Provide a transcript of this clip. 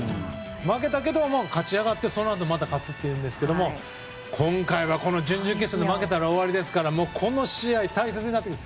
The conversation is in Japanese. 負けたけども勝ち上がってそのあと、また勝ってたんですが今回はこの準々決勝で負けたら終わりですからこの試合、大切になってきます。